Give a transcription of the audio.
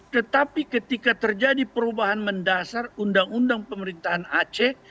tetapi ketika terjadi perubahan mendasar undang undang pemerintahan aceh